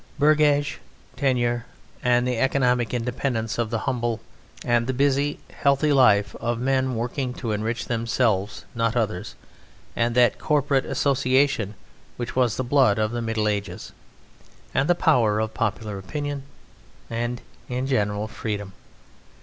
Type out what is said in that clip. Burgage tenure, and the economic independence of the humble, and the busy, healthy life of men working to enrich themselves, not others, and that corporate association which was the blood of the Middle Ages, and the power of popular opinion, and, in general, freedom.